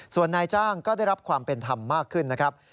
ส่วนนายจ้างก็ได้รับความเป็นธรรมมากขึ้นนะครับ